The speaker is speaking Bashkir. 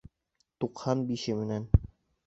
Туҡһан бише менән.